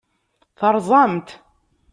Terẓam-t.